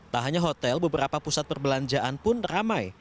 tak hanya hotel beberapa pusat perbelanjaan pun ramai